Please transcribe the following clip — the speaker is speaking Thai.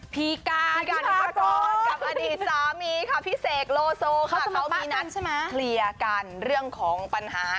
ีการกันนิพากรกับอดีตสามีค่ะพี่เสกโลโซค่ะเขามีนัดเคลียร์กันเรื่องของปัญหา